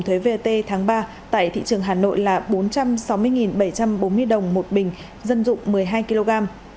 thuế vat tháng ba tại thị trường hà nội là bốn trăm sáu mươi bảy trăm bốn mươi đồng một bình dân dụng một mươi hai kg